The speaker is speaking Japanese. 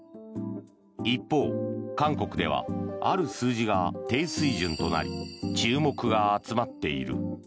一方、韓国ではある数字が低水準となり注目が集まっている。